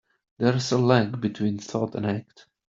There is a lag between thought and act.